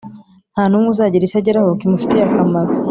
nta n’umwe uzagira icyo ageraho kimufitiye akamaro.